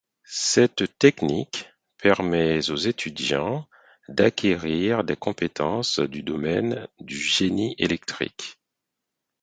Cette technique permet aux étudiants d'acquérir des compétences du domaine du génie électrique.